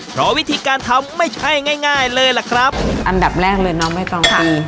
เพราะวิธีการทำไม่ใช่ง่ายง่ายเลยล่ะครับอันดับแรกเลยน้องใบตองค่ะ